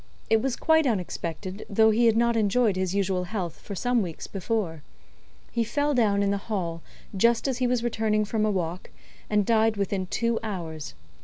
It was quite unexpected, though he had not enjoyed his usual health for some weeks before. He fell down in the hall, just as he was returning from a walk, and died within two hours.